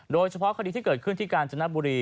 โดยเฉพาะคดีที่เกิดขึ้นที่กาญจนบุรี